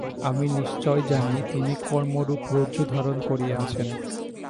আমি নিশ্চয়ই জানি, তিনি কর্মরূপ রজ্জু ধারণ করিয়া আছেন।